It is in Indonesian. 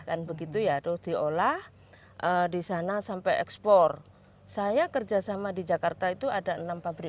kan begitu ya diolah di sana sampai ekspor saya kerjasama di jakarta itu ada enam pabrik